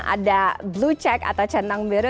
ada blue check atau centang biru